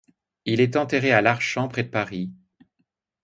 Il est enterré à Larchant, près de Paris.